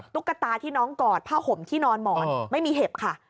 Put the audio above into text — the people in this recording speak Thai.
ตุ๊กตาที่น้องกอดผ้าห่มที่นอนหมอนไม่มีเห็บค่ะ